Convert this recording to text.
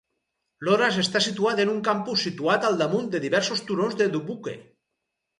Loras està situat en un campus situat al damunt de diversos turons de Dubuque.